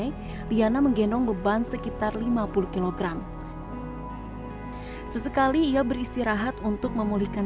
ini liana menggendong beban sekitar lima puluh kg sesekali ia beristirahat untuk memulihkan